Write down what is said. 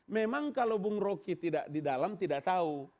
memang kalau bung rocky di dalam tidak tahu